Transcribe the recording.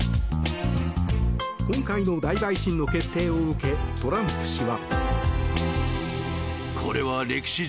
今回の大陪審の決定を受けトランプ氏は。